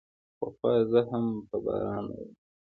پخوا زه هم په باران مئین وم.